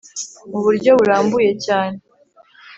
mu buryo burambuye cyane